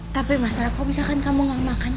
tapi masalah kalau misalkan kamu gak makan